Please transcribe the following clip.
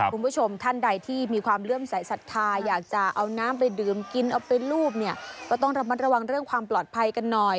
คุณผู้ชมท่านใดที่มีความเลือมใสศรรษะทายอยากจะเอาน้ำไปดื่มกินมีห้ามน้ำไปรูปจะต้องระมัดระวังเรื่องความปลอดภัยกันหน่อย